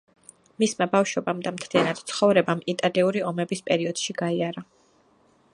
მისმა ბავშვობამ და მთლიანად ცხოვრებამ, იტალიური ომების პერიოდში გაიარა.